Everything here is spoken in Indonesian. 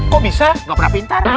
kok bisa gak pernah pintar